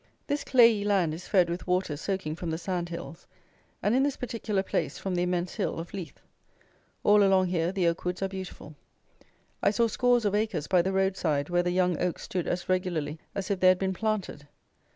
This clayey land is fed with water soaking from the sand hills; and in this particular place from the immense hill of Leith. All along here the oak woods are beautiful. I saw scores of acres by the road side, where the young oaks stood as regularly as if they had been planted.